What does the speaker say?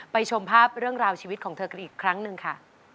ชมภาพเรื่องราวชีวิตของเธอกันอีกครั้งหนึ่งค่ะ